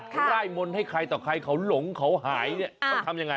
ใกล้มนต์ให้ใครต่อใครเขาหลงเขาหายความอย่างไร